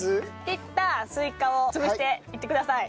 切ったスイカを潰していってください。